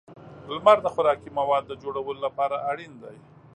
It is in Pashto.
• لمر د خوراکي موادو د جوړولو لپاره اړین دی.